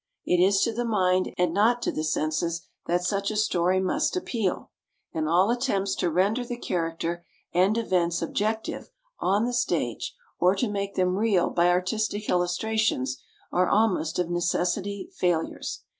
It is to the mind, and not to the senses, that such a story must appeal, and all attempts to render the character and events objective on the stage, or to make them real by artistic illustrations, are almost of necessity failures.